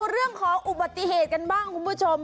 เรื่องของอุบัติเหตุกันบ้างคุณผู้ชม